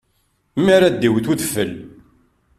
Mi ara d-iwwet udfel.